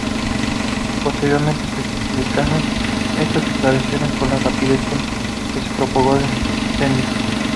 Posteriormente, se justificaron estas declaraciones por la rapidez con que se propagó el incendio.